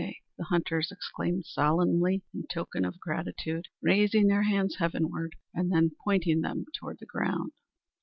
the hunters exclaimed solemnly in token of gratitude, raising their hands heavenward and then pointing them toward the ground.